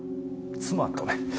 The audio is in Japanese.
妻とね。